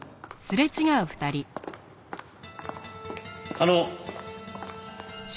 あの。